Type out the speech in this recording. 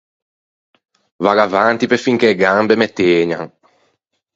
Vaggo avanti pe fin che e gambe me tëgnan.